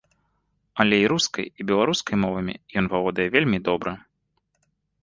Але і рускай, і беларускай мовамі ён валодае вельмі добра.